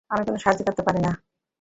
আমি কোনো সাহায্য করতে পারি?